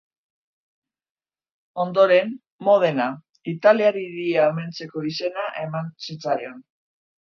Ondoren Modena, italiar hiria omentzeko izena eman zitzaion.